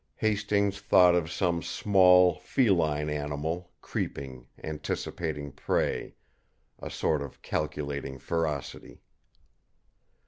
Hastings thought of some small, feline animal, creeping, anticipating prey a sort of calculating ferocity.